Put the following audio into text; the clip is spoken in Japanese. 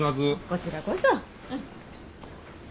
こちらこそ。